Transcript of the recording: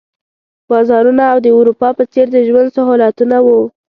بازارونه او د اروپا په څېر د ژوند سهولتونه وو.